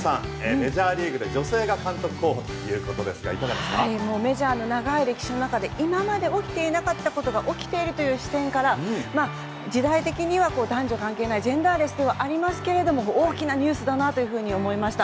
メジャーリーグで女性が監督候補ということですがもうメジャーの長い歴史の中で今まで起きていなかったことが起きているという視点から時代的には男女関係ないジェンダーレスではありますけど大きなニュースだなというふうに思いました。